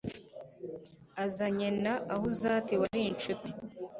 azanye na Ahuzati wari incuti